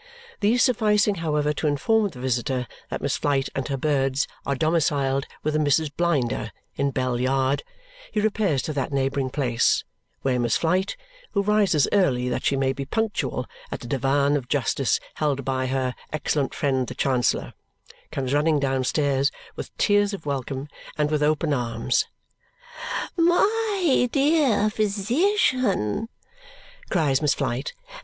These sufficing, however, to inform the visitor that Miss Flite and her birds are domiciled with a Mrs. Blinder, in Bell Yard, he repairs to that neighbouring place, where Miss Flite (who rises early that she may be punctual at the divan of justice held by her excellent friend the Chancellor) comes running downstairs with tears of welcome and with open arms. "My dear physician!" cries Miss Flite.